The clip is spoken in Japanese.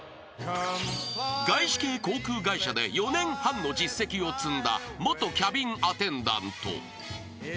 ［外資系航空会社で４年半の実績を積んだ元キャビンアテンダント］